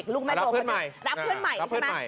รับเพื่อนใหม่